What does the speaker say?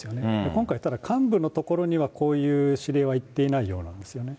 今回、ただ、幹部のところにはこういう指令は行っていないようなんですよね。